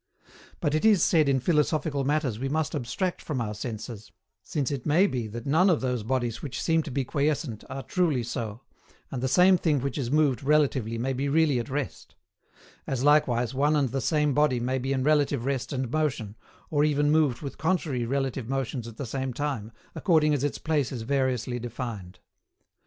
But, it is said in philosophical matters we must abstract from our senses, since it may be that none of those bodies which seem to be quiescent are truly so, and the same thing which is moved relatively may be really at rest; as likewise one and the same body may be in relative rest and motion, or even moved with contrary relative motions at the same time, according as its place is variously defined.